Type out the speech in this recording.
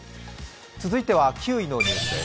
続いては９位のニュースです。